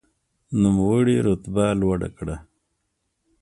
نوموړي رتبه لوړه کړه.